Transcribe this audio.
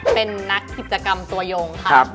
เป็นนักกิจกรรมตัวยงค่ะ